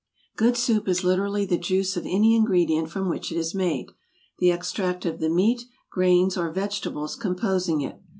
Good soup is literally the juice of any ingredient from which it is made the extract of the meat, grains, or vegetables composing it.